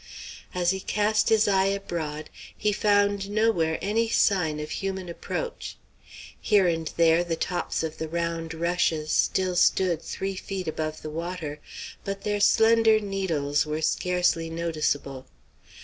As he cast his eye abroad, he found nowhere any sign of human approach. Here and there the tops of the round rushes still stood three feet above the water, but their slender needles were scarcely noticeable.